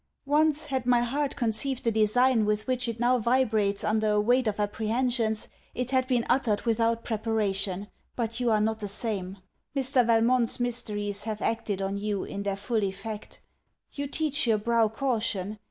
Once, had my heart conceived the design with which it now vibrates under a weight of apprehensions, it had been uttered without preparation: but you are not the same. Mr. Valmont's mysteries have acted on you in their full effect. You teach your brow caution.